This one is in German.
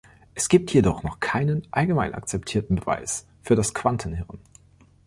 Es gibt jedoch noch keinen allgemein akzeptierten Beweis für das „Quantenhirn“.